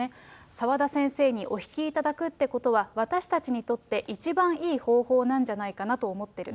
澤田先生にお引きいただくということは、私たちにとって一番いい方法なんじゃないかなと思っている。